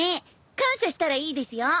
感謝したらいいですよ。